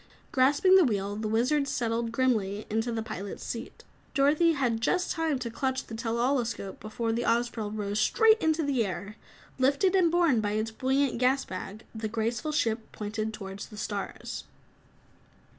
Grasping the wheel, the Wizard settled grimly into the pilot's seat. Dorothy had just time to clutch the tell all escope before the Ozpril rose straight into the air. Lifted and borne by its buoyant gas bag, the graceful ship pointed toward the stars.